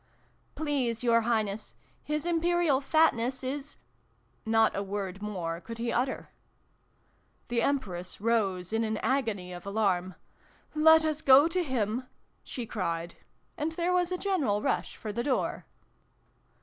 " Please your Highness ! His Imperial Fat ness is Not a word more could he utter. The Empress rose in an agony of alarm. " Let us go to him !" she cried. And there was a general rush for the door.